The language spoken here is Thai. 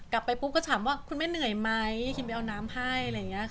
กลับไปปุ๊บก็ถามว่าคุณแม่เหนื่อยไหมคิมไปเอาน้ำให้